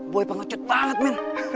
boy pengecut banget men